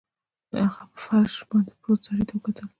هغه په فرش باندې پروت سړي ته وکتل